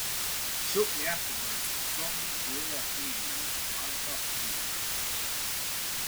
Shortly afterwards, zombie gorilla hands rise up from the ground.